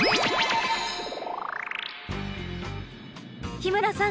日村さん